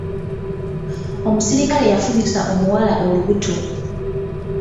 Omusirikale yafunisa omuwala olubuto.